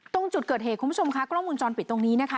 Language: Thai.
ตรงจุดเกิดเหตุคุณผู้ชมค่ะกล้องมุมจรปิดตรงนี้นะคะ